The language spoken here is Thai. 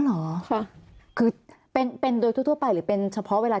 อ๋อเหรอคือเป็นโดยทั่วไปหรือเป็นเฉพาะเวลา